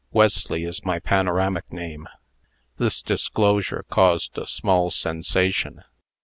"Wesley is my panoramic name." This disclosure caused a small sensation.